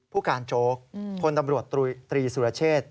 ผู้การโจ๊กพลตำรวจตรีสุรเชษ